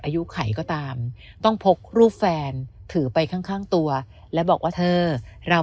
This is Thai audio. อายุไขก็ตามต้องพกรูปแฟนถือไปข้างตัวและบอกว่าเธอเรา